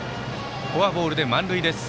フォアボールで満塁です。